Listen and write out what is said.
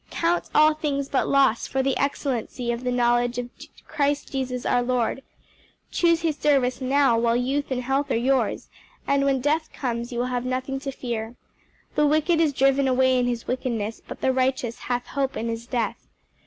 'Count all things but loss for the excellency of the knowledge of Christ Jesus our Lord.' Choose his service now while youth and health are yours, and when death comes you will have nothing to fear. 'The wicked is driven away in his wickedness: but the righteous hath hope in his death.'